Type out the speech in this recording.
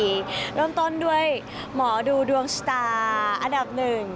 ร่วมต้นที่ดีร่วมต้นด้วยหมอดูดวงสตาร์อันดับหนึ่ง